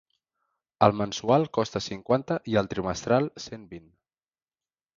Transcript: El mensual costa cinquanta i el trimestral cent vint.